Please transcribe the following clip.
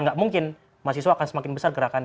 nggak mungkin mahasiswa akan semakin besar gerakannya